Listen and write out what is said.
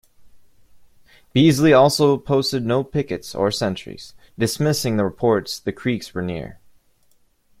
Beasley also posted no pickets or sentries, dismissing the reports the Creeks were near.